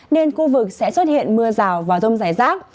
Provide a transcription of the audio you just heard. nên khu vực sẽ xuất hiện mưa rào và rông rải rác